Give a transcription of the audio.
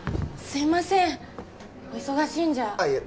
すいませんお忙しいんじゃいえ